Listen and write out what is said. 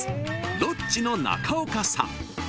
［ロッチの中岡さん］